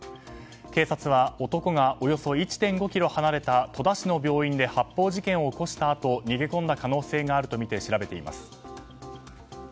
警察は、男がおよそ１．５ｋｍ離れた戸田市の病院で発砲事件を起こしたあと逃げ込んだ可能性があるとみて調べています。